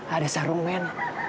ada sarung men